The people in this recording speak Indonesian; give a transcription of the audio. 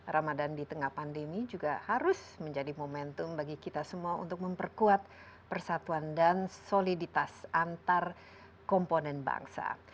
ramadan di tengah pandemi juga harus menjadi momentum bagi kita semua untuk memperkuat persatuan dan soliditas antar komponen bangsa